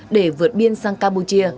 để vượt biên sang campuchia